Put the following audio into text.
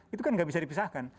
itu kan nggak bisa dipisahkan